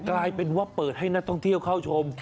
กลายเป็นว่าเปิดให้นักท่องเที่ยวเข้าชม